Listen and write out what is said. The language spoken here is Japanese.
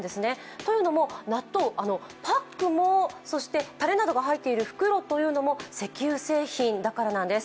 というのも納豆、パックもそしてたれなどが入っている袋も石油製品だからなんです。